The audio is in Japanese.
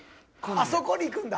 あそこにいくんだ！